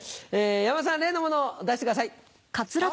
山田さん、例のものを出してくだはーい。